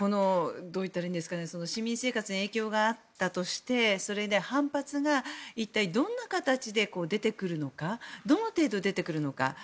市民生活に影響があったとしてそれで反発が一体どんな形で出てくるのかどの程度出てくるのか。